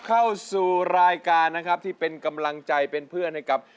เข้าสู่รายการนะครับที่เป็นกำลังใจเป็นเพื่อนให้กับ